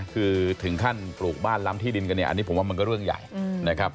คือถึงขั้นปลูกบ้านล้ำที่ดินกันเนี่ยอันนี้ผมว่ามันก็เรื่องใหญ่นะครับ